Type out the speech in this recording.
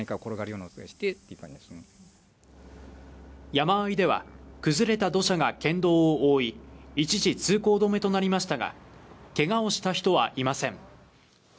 山あいでは崩れた土砂が県道を覆い一時、通行止めとなりましたがけがをした人はいません。